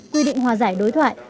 quy định hòa giải đối thoại